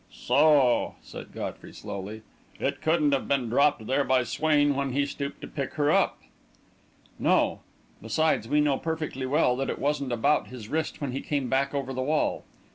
"So," said Godfrey slowly, "it couldn't have been dropped there by Swain when he stooped to pick her up." "No; besides, we know perfectly well that it wasn't about his wrist when he came back over the wall.